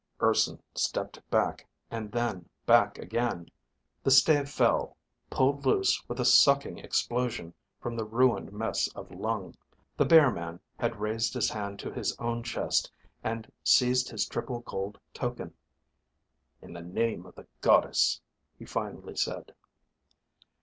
Urson stepped back, and then back again. The stave fell, pulled loose with a sucking explosion from the ruined mess of lung. The bear man had raised his hand to his own chest and seized his triple, gold token. "In the name of the Goddess," he finally said.